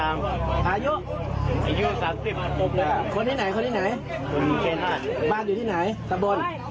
อายุสามสิบคนนี้ไหนคนนี้ไหนบ้านอยู่ที่ไหนสำบวน